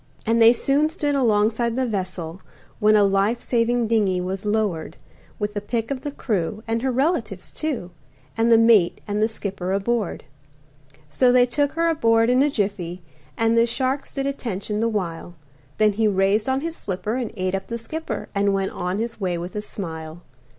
And they soon stood alongside the vessel, When a life saving dingey was lowered With the pick of the crew, and her relatives, too, And the mate and the skipper aboard. So they took her aboard in a jiffy, And the shark stood attention the while, Then he raised on his flipper and ate up the skipper And went on his way with a smile.